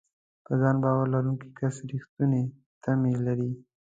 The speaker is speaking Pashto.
په ځان باور لرونکی کس رېښتینې تمې لري.